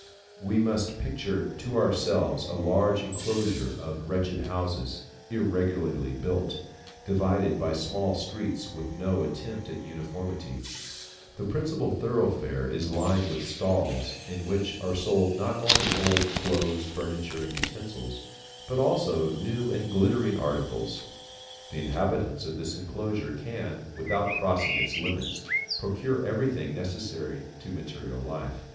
We must picture to ourselves a large enclosure of wretched houses, irregularly built, divided by small streets with no attempt at uniformity. The principal thoroughfare is lined with stalls, in which are sold not only old clothes, furniture, and utensils, but also new and glittering articles. The inhabitants of this enclosure can, without crossing its limits, procure everything necessary to material life.